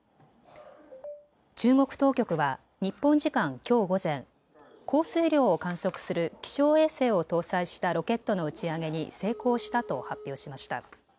中国当局は日本時間きょう午前、降水量を観測する気象衛星を搭載したロケットの打ち上げに成功したと発表しました。